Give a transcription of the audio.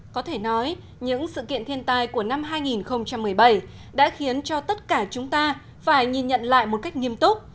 có thể nói những sự kiện thiên tai của năm hai nghìn một mươi bảy đã khiến cho tất cả chúng ta phải nhìn nhận lại một cách nghiêm túc